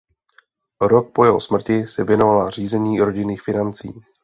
Rok po jeho smrti se věnovala řízení rodinných financí.